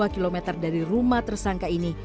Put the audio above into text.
dua km dari rumah tersangka ini